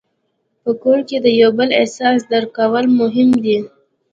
په کور کې د یو بل احساس درک کول مهم دي.